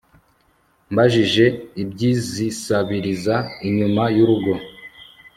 mbajije iby'izisabiriza inyuma y'urugo